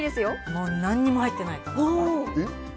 もう何も入ってないです。